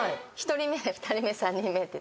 １人目２人目３人目って。